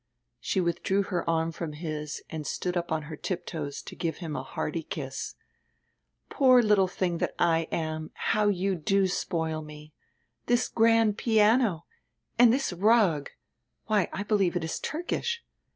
She withdrew her arm from his and stood up on her tip toes to give him a hearty kiss. "Poor little tiling diat I am, how you do spoil me! This grand piano! and diis rug! Why, I believe it is Turkish.